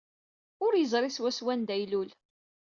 Ur yeẓri swaswa anda ay ilul.